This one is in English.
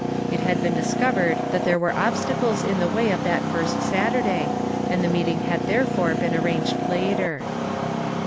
It had been discovered that there were obsta cles in the way of that first Saturday, and the meeting had therefore been arranged later.